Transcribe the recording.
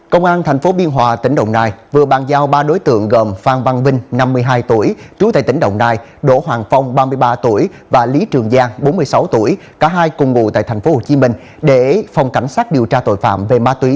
công an thành phố biên hòa tỉnh đồng nai vừa bàn giao ba đối tượng gồm phan văn vinh năm mươi hai tuổi trú tại tỉnh đồng nai đỗ hoàng phong ba mươi ba tuổi và lý trường giang bốn mươi sáu tuổi cả hai cùng ngủ tại thành phố hồ chí minh để phòng cảnh sát điều tra tội phạm về ma túy